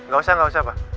gak usah gak usah pak